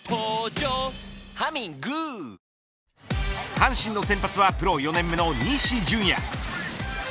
阪神の先発はプロ４年目の西純矢。